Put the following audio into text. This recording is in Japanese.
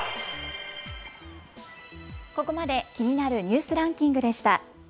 ここまで気になるニュースランキングでした。